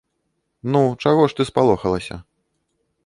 Ну, чаго ж ты спалохалася?